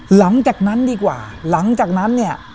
หลังจากนั้นดีกว่าหลังจากนั้นเนี่ย